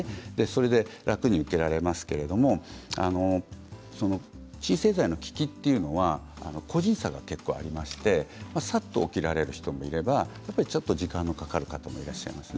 それで楽に受けられますけれども鎮静剤の効きというのは個人差が結構ありましてさっと起きられる人もいればちょっと時間のかかる方もいらっしゃいます。